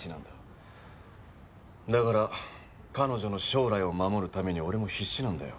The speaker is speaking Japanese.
だから彼女の将来を守るために俺も必死なんだよ。